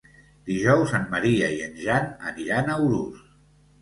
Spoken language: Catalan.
Dijous en Maria i en Jan aniran a Urús.